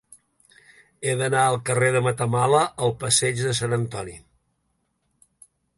He d'anar del carrer de Matamala al passeig de Sant Antoni.